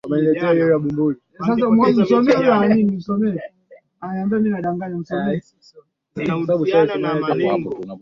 Kuanzisha shughuli za maendeleo na mkakati wa mfuko wa pamoja wa wafadhili